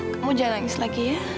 kamu jangan nangis lagi ya